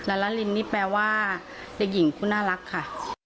ลาลาลินนี่แปลว่าเด็กหญิงคู่น่ารักค่ะ